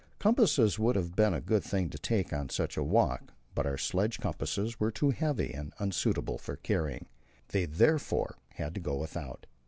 Compasses would have been good things to take on such a walk, but our sledge compasses were too heavy and unsuitable for carrying. They therefore had to go without.